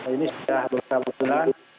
ini sudah berusaha usulan